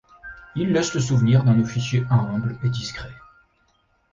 Il laisse le souvenir d'un officier humble et discret.